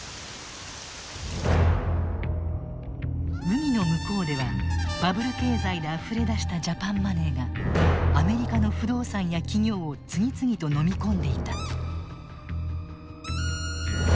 海の向こうではバブル経済であふれ出したジャパンマネーがアメリカの不動産や企業を次々とのみ込んでいた。